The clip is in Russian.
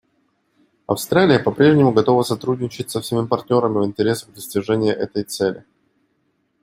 Австралия попрежнему готова сотрудничать со всеми партнерами в интересах достижения этой цели.